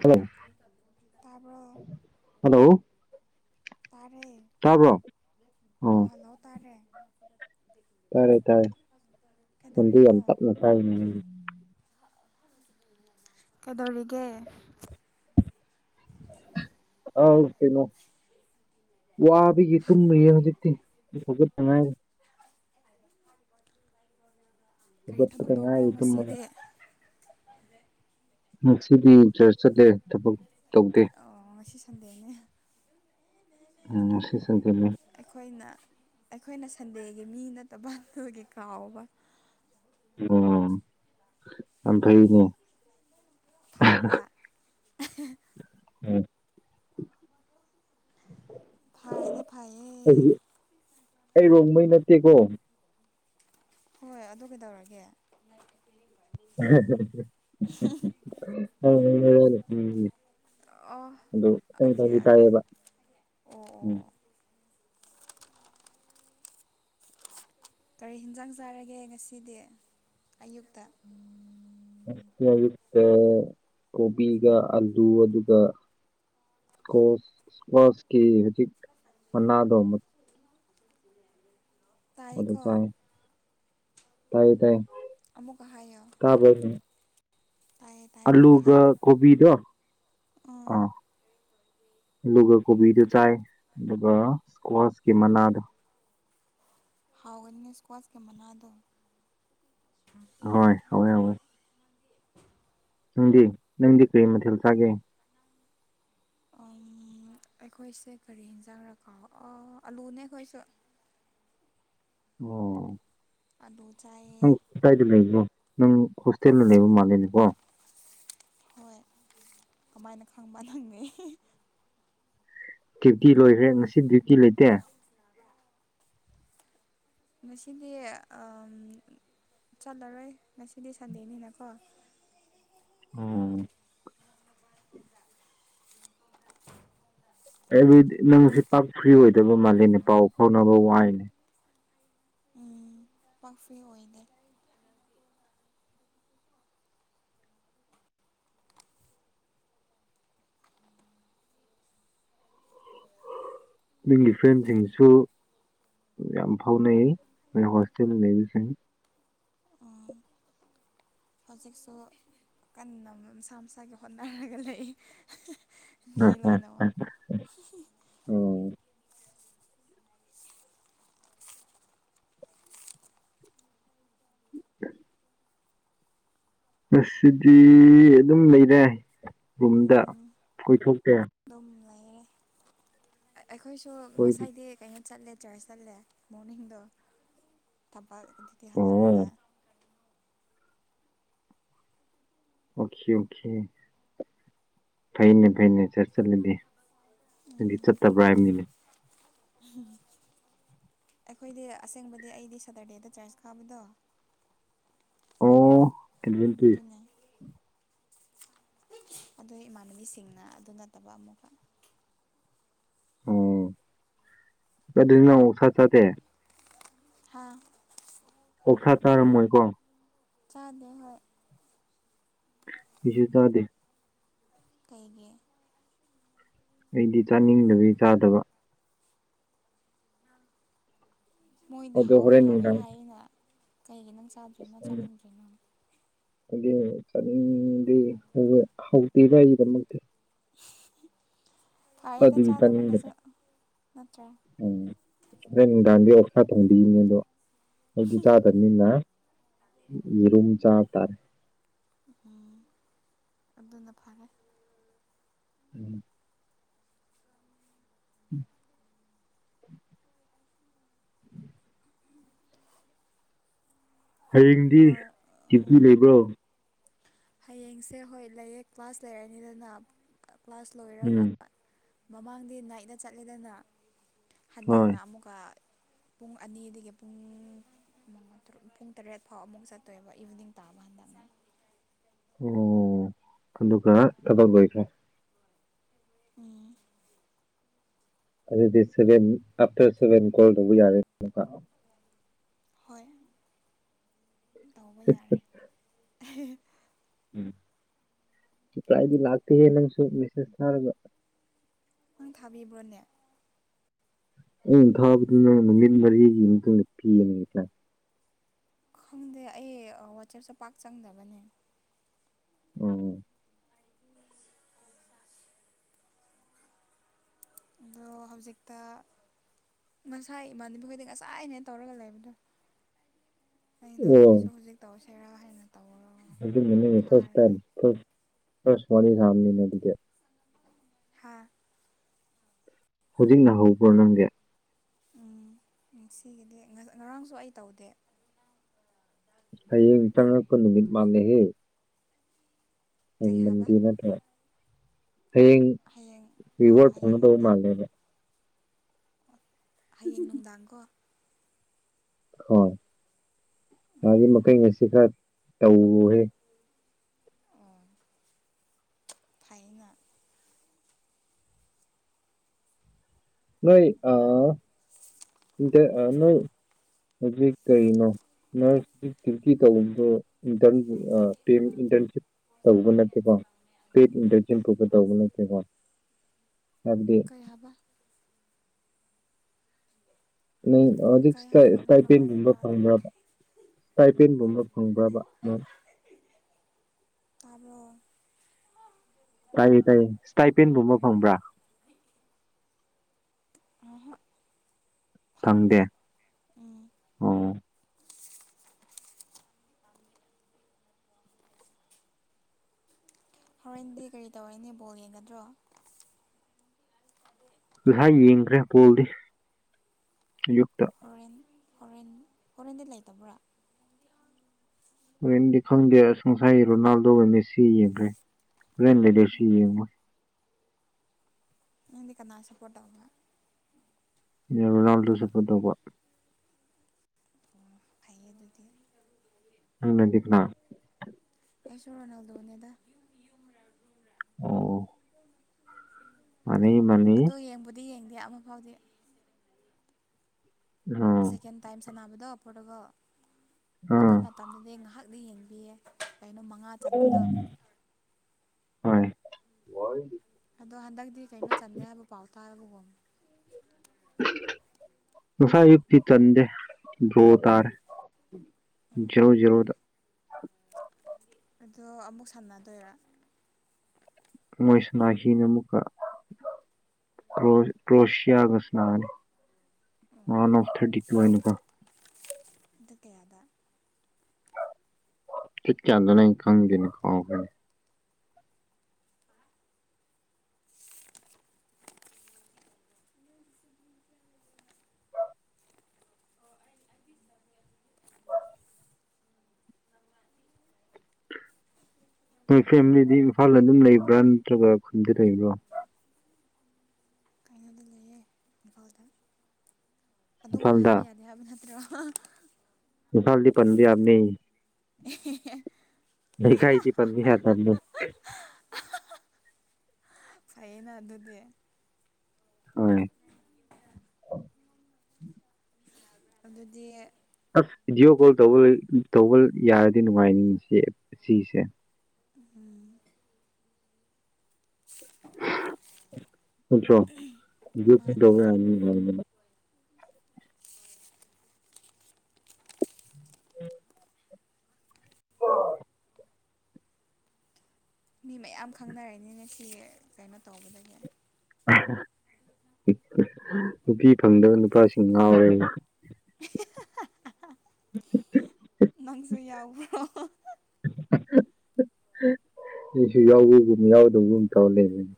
hello ꯇꯥꯕ꯭ꯔꯣ hello ꯇꯥꯔꯦ ꯇꯥꯕ꯭ꯔꯣ ꯑꯣ ꯍꯜꯂꯣ ꯇꯥꯔꯦ ꯇꯥꯔꯦ ꯇꯥꯔꯦ ꯈꯣꯟꯗꯤ ꯀꯩꯗꯧꯔꯤꯅꯣ ꯌꯥꯝ ꯇꯞꯅ ꯇꯥꯏꯅꯦ ꯅꯪꯒꯤ ꯀꯩꯗꯧꯔꯤꯒꯦ [unintelligible] ꯑꯧ ꯀꯩꯅꯣ ꯋꯥꯕꯒꯤ ꯇꯨꯝꯔꯤꯌꯦ ꯍꯧꯖꯤꯛꯇꯤ ꯍꯧꯒꯠꯇ ꯉꯥꯏꯔꯤ ꯀꯔꯤ ꯊꯕꯛ ꯍꯧꯒꯠꯄꯗ ꯇꯧꯕ꯭ꯔꯣ ꯉꯥꯏꯔꯤ ꯇꯨꯝꯃꯒ ꯉꯁꯤꯗꯤ ꯉꯁꯤꯗꯤ ꯆꯔꯁ ꯆꯠꯂꯦ ꯊꯕꯛ ꯇꯧꯗꯦ ꯑꯣ ꯉꯁꯤ ꯁꯟꯗꯦꯅꯦ ꯎꯝ ꯉꯁꯤ ꯁꯟꯗꯦꯅꯦ ꯑꯩꯈꯣꯏꯅ ꯑꯩꯈꯣꯏꯅ ꯁꯟꯗꯦꯒꯤ ꯃꯤ ꯅꯠꯇꯕ ꯑꯗꯨꯒꯤ ꯀꯥꯎꯕ ꯑꯣ ꯌꯥꯝ ꯐꯩꯅꯦ ꯐꯥꯕ꯭ꯔꯥ ꯎꯝ ꯐꯥꯗꯤ ꯐꯩꯌꯦ ꯑꯩ ꯔꯣꯡꯃꯩ ꯅꯠꯇꯦꯀꯣ ꯍꯣꯏ ꯑꯗꯨ ꯀꯩꯗꯧꯔꯒꯦ [unintelligible] ꯑꯣ ꯑꯗꯨ ꯑꯩ ꯑꯣꯀꯦ ꯉꯁꯥꯏꯗꯤ ꯑꯣꯀꯦ ꯑꯣ ꯇꯥꯏꯌꯦꯕ ꯑꯣ ꯎꯝ ꯑꯣ ꯀꯔꯤ ꯍꯤꯟꯖꯥꯡ ꯆꯥꯔꯒꯦ ꯉꯁꯤꯗꯤ ꯑꯌꯨꯛꯇ ꯉꯁꯤꯒꯤ ꯌꯛꯇ ꯀꯣꯕꯤꯒ ꯑꯂꯨ ꯑꯗꯨꯒ ꯀꯣꯁ ꯁꯀ꯭ꯋꯥꯁꯀꯤ ꯍꯧꯖꯤꯛ ꯃꯅꯥꯗꯣ ꯑꯗꯨ ꯇꯥꯏꯌꯦꯀꯣ ꯆꯥꯏ ꯇꯥꯏꯌꯦ ꯇꯥꯏꯌꯦ ꯑꯃꯨꯛꯀ ꯍꯥꯏꯌꯣ ꯇꯥꯕ꯭ꯔꯣ ꯇꯥꯏꯌꯦ ꯇꯥꯏꯌꯦ ꯑꯃꯨꯛꯀ ꯑꯜꯂꯨꯒ ꯍꯥꯏꯌꯣ ꯀꯣꯕꯤꯗꯣ ꯎꯝ ꯑꯥ ꯑꯜꯂꯨꯒ ꯀꯣꯕꯤꯗꯨ ꯆꯥꯏ ꯑꯗꯨꯒ ꯀ꯭ꯋꯥꯁꯀꯤ ꯃꯅꯥꯗꯣ ꯍꯥꯎꯕꯅꯤꯅꯦ ꯏꯁꯀ꯭ꯋꯥꯁꯀꯤ ꯃꯅꯥꯗ ꯍꯣꯏ ꯍꯥꯎꯋꯦ ꯍꯥꯎꯋꯦ ꯅꯪꯗꯤ ꯅꯪꯗꯤ ꯀꯔꯤ ꯃꯊꯦꯜ ꯆꯥꯒꯦ ꯑꯝ ꯑꯩꯈꯣꯏꯁꯦ ꯀꯔꯤ ꯌꯦꯟꯖꯥꯡꯔ ꯀꯥꯎ ꯑ ꯑꯂꯨꯅꯦ ꯑꯩꯈꯣꯏꯁꯨ ꯑꯣ ꯑꯂꯨ ꯆꯥꯏꯌꯦ ꯀꯥꯏꯗ ꯂꯩꯕꯅꯣ ꯅꯪ ꯍꯣꯁꯇꯦꯜꯗ ꯂꯩꯕ ꯃꯥꯜꯂꯦꯅꯦꯀꯣ ꯍꯣꯏ ꯀꯃꯥꯏꯅ ꯈꯪꯕ ꯅꯪꯅꯤ ꯗ꯭ꯌꯨꯇꯤ ꯂꯣꯏꯈ꯭ꯔꯦ ꯉꯁꯤ ꯗ꯭ꯌꯨꯇꯤ ꯂꯩꯇꯦ ꯉꯁꯤꯗꯤ ꯑꯝ ꯆꯠꯂꯔꯣꯏ ꯉꯁꯤꯗꯤ ꯁꯟꯗꯦꯅꯤꯅꯀꯣ ꯑꯣ ꯑꯩꯗꯤ ꯅꯪꯁꯦ ꯄꯥꯛ ꯐ꯭ꯔꯤ ꯑꯣꯏꯗꯕ ꯃꯥꯜꯂꯦꯅꯦ ꯄꯥꯎ ꯐꯥꯎꯅꯕ ꯋꯥꯏꯅꯦ ꯄꯥꯛ ꯐ꯭ꯔꯤ ꯑꯣꯏꯗꯦ ꯅꯪꯒꯤ ꯐ꯭ꯔꯦꯟꯁꯤꯡꯁꯨ ꯌꯥꯝ ꯐꯥꯎꯅꯩ ꯅꯣꯏ ꯍꯣꯁꯇꯦꯜꯗ ꯂꯩꯕꯁꯤꯡ ꯎꯝ ꯍꯧꯖꯤꯛꯁꯨ ꯀꯟꯅ ꯃꯁꯥ ꯃꯁꯥꯒꯤ ꯍꯣꯠꯅꯔꯒ ꯂꯩ ꯃꯤ ꯂꯣꯏꯅꯃꯛ [unintelligible] [unintelligible] ꯑꯣ ꯉꯁꯤꯗꯤ ꯑꯗꯨꯝ ꯂꯩꯔꯦ ꯔꯨꯝꯗ ꯀꯣꯏꯊꯣꯛꯇꯦ ꯑꯗꯨꯝ ꯂꯩꯔꯦ ꯑꯩꯈꯣꯏꯁꯨ ꯀꯣꯏ ꯉꯁꯥꯏꯗꯤ ꯀꯩꯩꯅꯣ ꯆꯠꯂꯦ ꯆꯔꯁ ꯆꯠꯂꯦ ꯃꯣꯔꯅꯤꯡꯗꯣ ꯊꯕꯛ ꯑꯗꯨꯗꯤ ꯍꯜꯂꯛꯑꯒ ꯑꯣ ꯑꯣꯀꯦ ꯑꯣꯀꯦ ꯐꯩꯅꯦ ꯐꯩꯅꯦ ꯆꯔꯁ ꯆꯠꯂꯗꯤ ꯑꯩꯗꯤ ꯆꯠꯇꯕ꯭ꯔꯥ ꯍꯥꯏꯕꯅꯤꯅꯦ [unintelligible] ꯑꯩꯈꯣꯏꯗꯤ ꯑꯁꯦꯡꯕꯗꯤ ꯑꯩꯗꯤ ꯁꯦꯇꯔꯗꯦꯗ ꯆꯥꯔꯁ ꯀꯥꯕꯗꯣ ꯈꯪꯕ꯭ꯔꯥ ꯑꯣ ꯑꯦꯗꯚꯦꯟꯇꯤꯁ ꯑꯗꯨꯅꯦ ꯑꯗꯨꯏ ꯏꯃꯥꯟꯅꯕꯤꯁꯤꯡꯅ ꯑꯗꯨ ꯅꯠꯇꯕ ꯑꯃꯨꯛꯀ ꯑꯣ ꯑꯗꯨꯗꯤ ꯅꯪ ꯑꯣꯛꯁꯥ ꯆꯥꯗꯦ ꯍꯥꯥ ꯑꯣꯛꯁꯥ ꯆꯥꯔꯝꯃꯣꯏꯀꯣ ꯆꯥꯗꯦ ꯍꯣꯏ ꯑꯩꯖꯨ ꯆꯗꯦ ꯀꯩꯒꯤ ꯑꯩꯗꯤ ꯆꯥꯅꯤꯡꯗꯕꯒꯤ ꯆꯥꯗꯕ ꯃꯣꯏꯗꯤ ꯑꯗꯣ ꯍꯥꯎꯋꯦ ꯍꯣꯔꯦꯟ ꯍꯥꯎꯋꯦ ꯅꯨꯡꯗꯥꯡ ꯍꯥꯏꯅ ꯀꯩꯒꯤ ꯅꯪ ꯆꯥꯗ꯭ꯔꯤꯅꯣ ꯆꯥꯅꯤꯡꯗ꯭ꯔꯤꯅꯣ ꯑꯩꯗꯤ ꯆꯠꯅꯤꯡꯗꯦ ꯍꯧꯋꯨ ꯍꯥꯎꯇꯦꯗ ꯑꯩꯒꯤꯗꯃꯛꯇꯤ ꯐꯌꯦꯗ ꯑꯗꯨꯒꯤ ꯆꯥꯗꯕꯅꯁꯨ ꯆꯥꯅꯤꯡꯗꯕ ꯅꯠꯇ꯭ꯔꯥ ꯎꯝ ꯍꯣꯔꯦꯟ ꯅꯨꯡꯗꯥꯡꯗꯤ ꯑꯣꯁꯥ ꯊꯣꯡꯕꯤꯒꯅꯤ ꯑꯗꯣ ꯑꯩꯗꯤ ꯆꯥꯗꯕꯅꯤꯅ ꯌꯦꯔꯨꯝ ꯆꯥꯞ ꯇꯥꯔꯦ ꯎꯝ ꯑꯗꯨꯅ ꯐꯔꯦ ꯎꯝ [inaudible] ꯍꯌꯦꯡꯗꯤ ꯍꯣꯏ ꯗ꯭ꯌꯨꯇꯤ ꯂꯩꯕ꯭ꯔꯣ ꯍꯌꯦꯡꯁꯦ ꯍꯣꯏ ꯂꯩꯌꯦ ꯀ꯭ꯂꯥꯁ ꯂꯩꯔꯅꯤꯗꯅ ꯀ꯭ꯂꯥꯁ ꯂꯣꯏꯔꯒ ꯎꯝ ꯃꯃꯥꯡꯗꯤ ꯅꯥꯏꯠꯅ ꯆꯠꯂꯤꯗꯅ ꯍꯣꯏ ꯍꯟꯗꯛꯅ ꯑꯃꯨꯛꯀ ꯄꯨꯡ ꯑꯅꯤꯗꯒꯤ ꯄꯨꯡ ꯃꯉꯥ ꯇꯔꯨꯛ ꯄꯨꯡ ꯇꯔꯦꯠ ꯐꯥꯎ ꯑꯃꯨꯛ ꯆꯠꯇꯣꯏꯕ ꯏꯚꯤꯅꯤꯡ ꯇꯥꯕ ꯍꯟꯗꯛꯅ ꯑꯣ ꯑꯗꯨꯒ ꯊꯕꯛ ꯂꯣꯏꯈ꯭ꯔꯦ ꯎꯝ ꯑꯗꯨꯗꯤ ꯁꯚꯦꯟ ꯑꯥꯞꯇꯔ ꯁꯚꯦꯟ ꯀꯣꯜ ꯇꯧꯕ ꯌꯥꯔꯦꯅꯦꯀꯣ ꯍꯣꯏ ꯇꯧꯕ ꯌꯥꯔꯦ ꯎꯝ ꯔꯤꯄ꯭ꯂꯥꯏꯗꯤ ꯂꯥꯛꯇꯦꯍꯦ ꯅꯪꯁꯨ ꯃꯦꯁꯦꯁ ꯊꯥꯔꯒ ꯅꯪ ꯊꯥꯕꯤꯕ꯭ꯔꯣꯅꯦ ꯑꯩꯟ ꯊꯥꯕꯗꯨꯅ ꯅꯨꯃꯤꯠ ꯃꯔꯤꯒꯤ ꯃꯇꯨꯡꯗ ꯄꯤꯒꯅꯤ ꯔꯤꯄ꯭ꯂꯥꯏ ꯈꯪꯗꯦ ꯑꯩ ꯋꯥꯆꯦꯞꯁꯦ ꯄꯥꯛ ꯆꯪꯗꯕꯅꯦ ꯑꯣ ꯑꯗꯣ ꯍꯧꯖꯤꯛꯇ ꯉꯁꯥ ꯏꯃꯥꯟꯅꯕꯤꯈꯣꯏꯗꯤ ꯉꯁꯥꯏꯅꯦ ꯇꯧꯔꯒ ꯂꯩꯕꯗꯣ ꯑꯩꯅ ꯑꯩꯁꯨ ꯍꯧꯖꯤꯛ ꯇꯧꯁꯤꯔꯥ ꯍꯥꯏꯅ ꯇꯧꯔ [unintelligible] ꯐ꯭ꯔꯥꯁꯠ ꯊꯥꯔꯦ ꯇꯥꯏꯝ ꯐ꯭ꯔꯥꯁꯠ ꯐ꯭ꯔꯥꯁꯠ ꯋꯥꯔꯤ ꯁꯥꯕꯅꯤꯅꯦ ꯑꯗꯨꯗꯤ ꯍꯥꯥ ꯍꯨꯖꯤꯛ ꯅꯍꯧꯕ꯭ꯔꯣ ꯅꯪꯗꯤ ꯎꯝ ꯉꯁꯤꯒꯤꯗꯤ ꯉꯔꯥꯡꯁꯨ ꯉꯔꯥꯡꯁꯨ ꯑꯩ ꯇꯧꯗꯦ ꯍꯌꯦꯡ ꯆꯪꯉꯛꯄ ꯅꯨꯃꯤꯠ ꯃꯥꯜꯂꯦꯍꯦ ꯍꯌꯦꯡ ꯀꯩ ꯍꯥꯏꯕ ꯃꯟꯗꯦ ꯅꯠꯇ꯭ꯔꯣ ꯍꯌꯦꯡ ꯍꯌꯦꯡ ꯑꯥ ꯔꯤꯋꯥꯔꯠ ꯍꯌꯦꯡ ꯐꯪꯒꯗꯧꯕ ꯃꯟꯗꯦ ꯃꯥꯜꯂꯦꯕ ꯍꯌꯦꯡ ꯅꯨꯡꯗꯥꯡ ꯀꯣ ꯍꯣꯏ ꯌꯥꯔꯤꯃꯈꯩ ꯉꯁꯤ ꯈꯔ ꯇꯧꯔꯦ ꯐꯩꯌꯦꯅ ꯅꯣꯏ ꯑ ꯏꯟꯇꯔ ꯑ ꯅꯣꯏ ꯍꯧꯖꯤꯛ ꯀꯩꯅꯣ ꯅ꯭ꯔꯁꯇꯤ ꯗ꯭ꯌꯨꯇꯤ ꯇꯧꯕꯝꯗꯣ ꯏꯟꯇ꯭ꯔꯟꯁꯤꯞ ꯑ ꯄꯤ ꯑꯦꯝ ꯏꯟꯇ꯭ꯔꯟꯁꯤꯞ ꯇꯧꯕ ꯅꯠꯇꯦꯀꯣ ꯄꯦꯠ ꯏꯟꯚꯦꯟꯁꯟ ꯊꯣꯛꯄ ꯇꯧꯒꯅꯨ ꯇꯦꯀꯣ ꯍꯥꯏꯕꯗꯤ ꯀꯩ ꯍꯥꯕ ꯅꯪ ꯍꯧꯖꯤꯛ ꯀꯩ ꯁ꯭ꯇꯥꯏ ꯍꯥꯏꯅꯣ ꯑꯃꯨꯛꯀ ꯍꯥꯏꯌꯣ ꯁ꯭ꯇꯥꯏꯄꯦꯟꯒꯨꯝꯕ ꯇꯥꯗꯦ ꯐꯪꯕ꯭ꯔꯕ ꯁ꯭ꯇꯥꯏꯄꯦꯟꯒꯨꯝꯕ ꯐꯪꯕ꯭ꯔꯕ ꯅꯪ ꯇꯥꯕ꯭ꯔꯣ ꯇꯥꯏꯌꯦ ꯇꯥꯏꯌꯦ ꯁ꯭ꯇꯥꯏꯄꯦꯟꯒꯨꯝꯕ ꯐꯪꯕ꯭ꯔꯥ [unintelligible] ꯐꯪꯗꯦ ꯎꯝ ꯑꯣ ꯍꯣꯔꯦꯟꯗꯤ ꯀꯔꯤ ꯇꯧꯔꯅꯦ ꯕꯣꯜ ꯌꯦꯡꯒꯗ꯭ꯔꯣ [unintelligible] ꯉꯁꯥꯏ ꯌꯦꯡꯈ꯭ꯔꯦ ꯄꯣꯜꯗꯤ ꯑꯌꯨꯛꯇ ꯍꯣꯔꯦꯟ ꯍꯣꯔꯦꯟ ꯐꯣꯔꯦꯟꯗꯤ ꯂꯩꯇꯕ꯭ꯔꯥ ꯍꯣꯔꯦꯟꯗꯤ ꯈꯪꯗꯦ ꯑꯁ ꯉꯁꯥꯏ ꯔꯣꯅꯥꯜꯗꯣ ꯃꯦꯁꯤ ꯌꯦꯡꯈ꯭ꯔꯦ ꯍꯣꯔꯦꯟ ꯂꯩꯔꯦ ꯁꯤ ꯎꯝ ꯌꯦꯡꯉꯣꯏ ꯅꯪꯗꯤ ꯀꯥꯅꯥ ꯁꯄꯣꯠ ꯇꯧꯕ ꯔꯣꯅꯥꯜꯗꯣ ꯁꯄꯣꯠ ꯇꯧꯕ ꯑꯣ ꯐꯩꯌꯦ ꯑꯗꯨꯗꯤ ꯅꯪꯅꯗꯤ ꯀꯥꯅꯥ ꯑꯩꯁꯨ ꯔꯣꯅꯥꯜꯗꯣꯅꯦꯗ ꯑꯣ ꯃꯥꯟꯅꯩ ꯃꯥꯟꯅꯩ ꯑꯗꯣ ꯌꯦꯡꯕꯨꯗꯤ ꯌꯦꯡꯗꯦ ꯑꯃꯐꯥꯎꯗꯤ ꯍ [unintelligible] ꯁꯦꯀꯦꯟ ꯇꯥꯏꯝ ꯁꯥꯟꯅꯕꯗ ꯄꯣꯔꯇꯨꯒꯜ ꯑꯗꯨ ꯑꯥ ꯃꯇꯝꯗꯨꯗꯤ ꯉꯥꯏꯍꯥꯛꯅꯤ ꯌꯦꯡꯕꯤꯌꯦ ꯀꯩꯅꯣ ꯃꯉꯥ ꯆꯟꯕꯗꯣ ꯎꯝ ꯍꯣꯏ [unintelligible] ꯑꯗꯣ ꯍꯟꯗꯛꯇꯤ ꯀꯩꯅꯣ ꯆꯟꯗꯦ ꯍꯥꯏꯕ ꯄꯥꯎ ꯇꯥꯕꯨꯒꯣ ꯉꯁꯥꯏ ꯑꯌꯨꯛꯇꯤ ꯆꯟꯗꯦ ꯗ꯭ꯔꯣ ꯇꯥꯔꯦ ꯎꯝ ꯖꯦꯔꯣ ꯖꯦꯔꯣꯗ ꯑꯗꯣ ꯑꯃꯨꯛ ꯁꯥꯟꯅꯗꯣꯏꯔꯥ ꯃꯣꯏ ꯁꯅꯥꯈꯤꯅꯤ ꯑꯃꯨꯛꯀ ꯀ꯭ꯔꯣ ꯀ꯭ꯔꯣꯁꯤꯌꯥꯒ ꯁꯅꯥꯅꯤ ꯗꯦꯗ ꯀꯌꯥꯗ ꯊꯤꯠ ꯀꯌꯥꯗꯅꯤ ꯑꯩ ꯈꯪꯗꯦꯅ ꯀꯥꯎꯈꯔ꯭ꯦꯅꯦ ꯅꯣꯏ ꯐꯦꯃꯤꯂꯤꯗꯤ ꯏꯝꯐꯥꯜꯗ ꯑꯗꯨꯝ ꯂꯩꯕ꯭ꯔꯥ ꯅꯠꯇ꯭ꯔꯒ ꯈꯨꯟꯗ ꯂꯩꯕ꯭ꯔꯣ ꯀꯥꯏꯅꯗ ꯂꯩꯌꯦ ꯏꯝꯐꯥꯜꯗ ꯑꯗꯣꯝ ꯏꯝꯐꯥꯜꯗ ꯍꯥꯏꯕ ꯌꯥꯗꯦ ꯍꯥꯏꯕ ꯅꯠꯇ꯭ꯔꯥ ꯏꯝꯐꯥꯜꯗꯤ ꯄꯟꯕ ꯌꯥꯕꯅꯤ ꯂꯩꯈꯥꯏꯗꯤ ꯄꯟꯕ ꯌꯥꯗꯕꯅꯤ ꯐꯌꯦꯅ ꯑꯗꯨꯗꯤ ꯍꯣꯏ ꯑꯗꯨꯗꯤ ꯑꯁ ꯚꯤꯗꯤꯑꯣ ꯀꯣꯜ ꯇꯧꯕ ꯇꯧꯕ ꯌꯥꯔꯗꯤ ꯅꯨꯡꯉꯥꯏꯅꯤ ꯁꯤ ꯁꯤꯁꯦ ꯎꯝ ꯃꯥꯅꯦ [unintelligible] [inaudible] ꯃꯤ ꯃꯌꯥꯝ ꯈꯪꯅꯔꯅꯤꯅꯦ ꯉꯁꯤ ꯀꯩꯅꯣ ꯇꯧꯕꯗꯒꯤ ꯅꯨꯄꯤ ꯐꯪꯗꯕ ꯅꯨꯄꯥꯁꯤꯡ ꯉꯥꯎꯔꯦ ꯅꯪꯁꯨ ꯌꯥꯎꯕ꯭ꯔꯣ ꯃꯤꯁꯨ ꯌꯥꯎꯕꯒꯨꯝ ꯌꯥꯎꯗꯕꯒꯨꯝ ꯇꯧꯔ ꯂꯩꯕꯅꯦ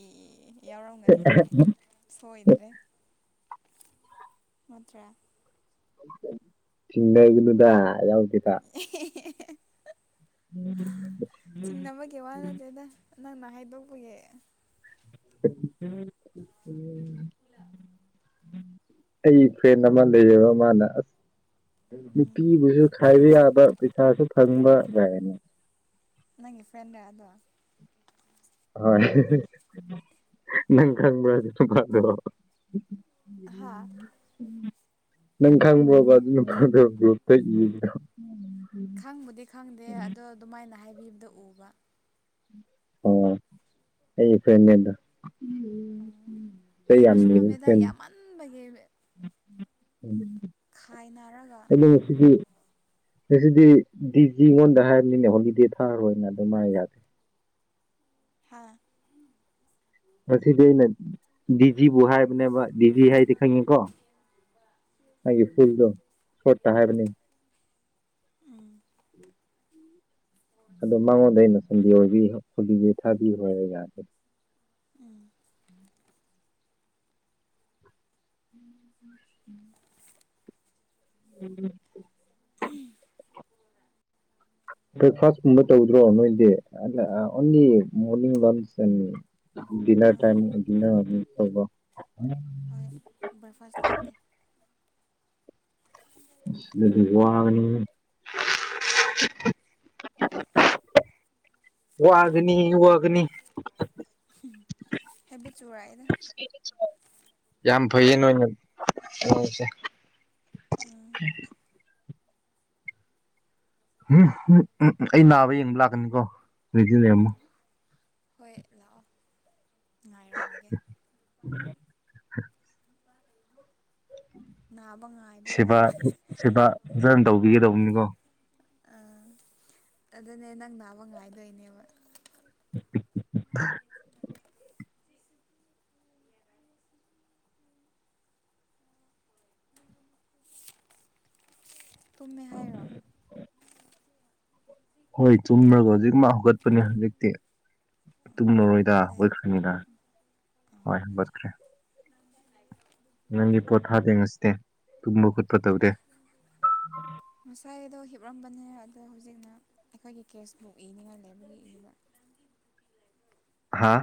ꯑꯦ ꯌꯥꯎꯔꯝꯒꯅꯤ ꯁꯣꯏꯗ꯭ꯔꯦ ꯅꯠꯇ꯭ꯔꯥ ꯆꯤꯡꯅꯩꯒꯅꯨꯗ ꯌꯥꯎꯗꯦꯗ ꯑꯦ [inaudible] ꯆꯤꯡꯅꯕꯒꯤ ꯋꯥ ꯅꯠꯇꯦꯗ ꯅꯪꯅ ꯍꯥꯏꯗꯣꯛꯄꯒꯤ [unintelligible] [inaudible] ꯑꯩ ꯐ꯭ꯔꯦꯟ ꯑꯃ ꯂꯩꯌꯦꯕ ꯃꯥꯅ ꯑꯁ ꯎꯝ ꯅꯨꯄꯤꯕꯨꯁꯨ ꯈꯥꯏꯕ ꯌꯥꯕ ꯄꯩꯁꯥꯁꯨ ꯐꯪꯕꯒꯥꯥꯏꯅ ꯅꯪꯒꯤ ꯐ꯭ꯔꯦꯟꯂꯥ ꯑꯗꯣ ꯍꯣꯏ ꯅꯪ ꯈꯪꯕ꯭ꯔꯥ ꯑꯗꯨ ꯅꯨꯄꯥꯗꯣ ꯍꯥ ꯅꯪ ꯈꯪꯕ꯭ꯔꯣꯕ ꯑꯗꯨ ꯅꯨꯄꯥꯗꯣ ꯕꯂꯣꯛꯇ ꯏꯕꯗꯣ ꯈꯪꯕꯨꯗꯤ ꯈꯪꯗꯦ ꯑꯗꯣ ꯑꯗꯨꯃꯥꯏꯅ ꯍꯥꯏꯕꯤꯕꯗꯣ ꯎꯕ ꯑꯣ ꯑꯩ ꯐ꯭ꯔꯦꯟꯅꯦꯗꯣ ꯆꯩ ꯌꯥꯝ ꯌꯦꯡꯕꯁꯨ ꯅꯤꯕ ꯉꯝꯃꯦꯗꯥꯏ ꯐ꯭ꯔꯦꯟꯅꯦ ꯌꯥꯝꯃꯟꯕꯒꯤ [inaudible] ꯈꯥꯏꯅꯔꯒ ꯁꯤꯗꯤ ꯉꯁꯤꯗꯤ ꯗꯤꯖꯤꯉꯣꯟꯗ ꯍꯥꯏꯕꯅꯤꯅꯦ ꯍꯣꯂꯤꯗꯦ ꯊꯥꯔꯣꯏꯅ ꯑꯗꯨ ꯃꯥ ꯌꯥꯗꯦ ꯍꯥꯥ ꯉꯁꯤꯗꯤ ꯑꯩꯅ ꯗꯤꯖꯤꯕꯨ ꯍꯥꯏꯕꯅꯦꯕ ꯗꯤꯖꯤ ꯍꯥꯏꯗꯤ ꯈꯪꯉꯤꯀꯣ ꯃꯥꯒꯤ ꯐꯨꯜꯗꯣ ꯁꯣꯠꯇ ꯍꯥꯏꯕꯅꯤ [inaudible] ꯑꯗꯣ ꯃꯉꯣꯟꯗ ꯑꯩꯅ ꯁꯟꯗꯦ ꯑꯣꯏꯕꯩ ꯍꯣꯂꯤꯗꯦ ꯊꯥꯕꯤꯈꯔꯣ ꯍꯥꯏꯔꯒ ꯎꯝ ꯎꯝ [inaudible] [unintelligible] ꯕꯔꯦꯛꯐꯥꯁꯀꯨꯝꯕ ꯇꯧꯗ꯭ꯔꯣ ꯅꯣꯏꯗꯤ ꯑꯣꯟꯂꯤ ꯃꯣꯔꯅꯤꯡ ꯂꯟꯁ [inaudible] ꯗꯤꯟꯅꯔ ꯇꯥꯏꯝ ꯎꯝ ꯗꯤꯟꯅꯔ ꯑꯣꯏꯕꯒꯤ ꯇꯧꯕ ꯍꯣꯏ ꯕꯔꯦꯛꯐꯥꯁ ꯂꯩꯇꯦ ꯑꯁ ꯑꯗꯨꯗꯤ ꯋꯥꯒꯅꯤꯌꯦ ꯋꯥꯒꯅꯤ ꯋꯥꯒꯅꯤ ꯍꯦꯕꯤꯠ ꯆꯨꯔꯥꯏꯗ ꯌꯥꯝ ꯐꯩꯌꯦ ꯅꯣꯏꯅ ꯇꯧꯔꯤꯁꯦ ꯎꯝ [inaudible] ꯑꯩ ꯅꯥꯕ ꯌꯦꯡꯕ ꯂꯥꯛꯀꯅꯤꯀꯣ ꯔꯦꯗꯤ ꯂꯩꯔꯝꯃꯣ ꯍꯣꯏ ꯂꯥꯛꯑꯣ ꯉꯥꯏꯔꯝꯃꯒꯦ [inaudible] ꯅꯥꯕꯉꯥꯏ ꯁꯦꯕꯥ ꯁꯦꯕꯥ ꯐꯥꯖꯅ ꯇꯧꯕꯤꯒꯗꯧꯝꯅꯤꯀꯣ ꯑꯥ ꯑꯗꯨꯅꯦ ꯅꯪ ꯅꯥꯕ ꯉꯥꯏꯗꯣꯏꯅꯦꯕ [unintelligible] ꯇꯨꯝꯃꯦ ꯍꯥꯏꯔꯣ ꯍꯣꯏ ꯇꯨꯝꯔꯒ ꯍꯧꯖꯤꯛ ꯃꯛ ꯍꯧꯒꯠꯄꯅꯦ ꯍꯧꯖꯤꯛꯇꯤ ꯇꯨꯝꯃꯔꯣꯏꯗ ꯍꯧꯒꯠꯂꯦ ꯍꯧꯒꯠꯈ꯭ꯔꯥꯅꯤꯅ ꯍꯣꯏ ꯍꯧꯒꯠꯈ꯭ꯔꯦ ꯅꯪꯗꯤ ꯄꯣꯊꯥꯗꯦ ꯉꯁꯤꯗꯤ ꯇꯨꯝꯕ ꯈꯣꯠꯄ ꯇꯧꯗꯦ ꯉꯁꯥꯏ ꯑꯩꯗꯣ ꯍꯤꯞꯔꯝꯕꯅꯦ ꯑꯗꯣ ꯍꯧꯖꯤꯛꯅ ꯑꯩꯈꯣꯏꯒꯤ ꯀꯦꯁꯕꯨꯛ ꯏꯅꯤꯡꯉꯥꯏ ꯂꯩꯕꯒꯤ ꯏꯕ ꯍꯥ